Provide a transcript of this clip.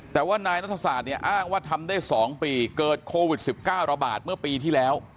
แต่ว่านายนัทศาสตร์เนี่ยอ้างว่าทำได้๒ปีเกิดโควิด๑๙ระบาดเมื่อปีที่แล้ว